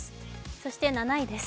そして７位です。